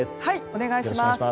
お願いします。